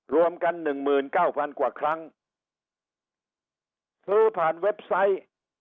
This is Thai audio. รวมกันหนึ่งหมื่นเก้าพันกว่าครั้งซื้อผ่านเว็บไซต์